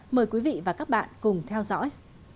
mời quý vị và các bạn cùng theo dõi